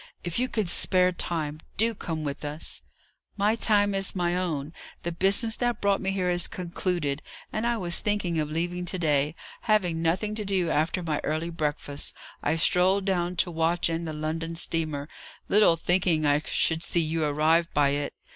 "If you can spare time, do come with us!" "My time is my own; the business that brought me here is concluded, and I was thinking of leaving to day. Having nothing to do after my early breakfast, I strolled down to watch in the London steamer, little thinking I should see you arrive by it.